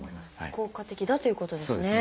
効果的だということですね。